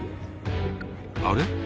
あれ？